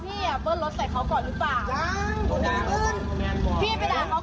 พี่ไปด่าก่อนแหละก้อนไม่ได้หรอก